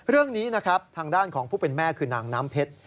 เรื่องนี้นะครับทางด้านของผู้เป็นแม่คือนางน้ำเพชร